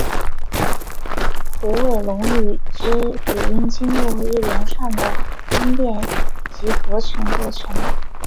虎尾垄语之语音经过一连串的音变及合并过程。